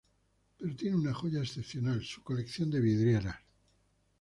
Pero tiene una joya excepcional: su colección de vidrieras.